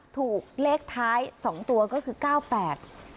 ถูกเลขท้าย๒ตัวก็คือ๙๘